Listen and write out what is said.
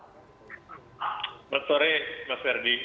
selamat sore mas ferdi